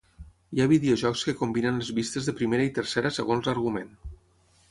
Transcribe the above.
Hi ha videojocs que combinen les vistes de primera i tercera segons l'argument.